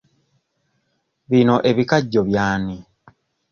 Bino ebikajjo by'ani?